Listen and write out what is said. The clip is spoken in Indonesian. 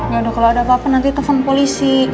yaudah kalau ada apa apa nanti telfon polisi